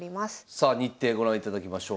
さあ日程ご覧いただきましょう。